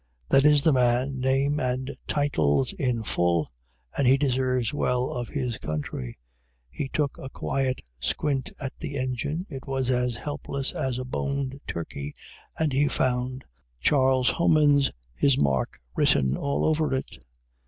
That is the man, name and titles in full, and he deserves well of his country. He took a quiet squint at the engine, it was as helpless as a boned turkey, and he found "Charles Homans, his mark," written all over it.